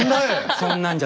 そんなんじゃ